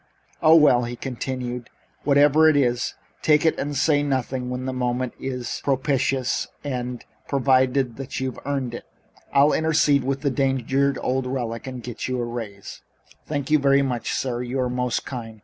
"Oh, well," he continued, whatever it is, take it and say nothing and when the moment is propitious and provided you've earned it I'll intercede with the danged old relic and get you a raise." "Thank you very much, sir. You are most kind.